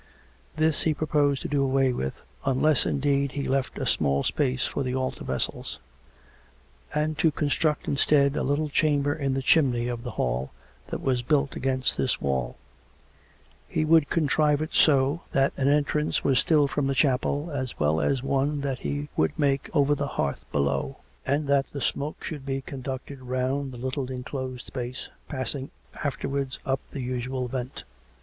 This he proposed to do away with, unless, indeed, he left a small space for the altar vessels; and to construct instead a little chamber in the chimney of the hall that was built against this wall; he would contrive it so that an entrance was still from the chapel, as well as one that he would make over the hearth below; and that the smoke should be conducted round the little enclosed space, passing afterwards up the usual vent.